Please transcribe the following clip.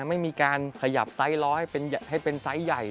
ไม่มีการขยับไซส์ล้อให้เป็นไซส์ใหญ่